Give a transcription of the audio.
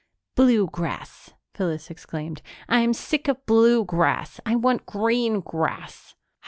"Blue grass," Phyllis exclaimed. "I'm sick of blue grass. I want green grass."